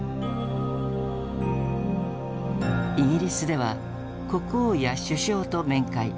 イギリスでは国王や首相と面会。